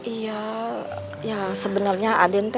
iya sebenarnya aden